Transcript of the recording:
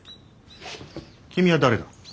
君は誰だ？